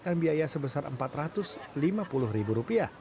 ketua km kirana iii mengeluarkan biaya sebesar rp empat ratus lima puluh